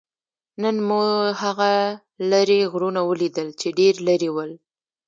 نن مو هغه لرې غرونه ولیدل؟ چې ډېر لرې ول.